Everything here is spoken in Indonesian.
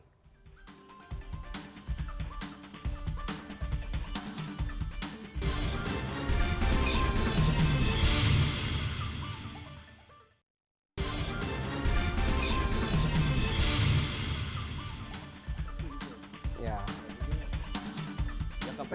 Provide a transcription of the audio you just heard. kepala kepala kepala